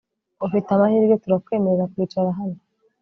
Ufite amahirwe turakwemerera kwicara hano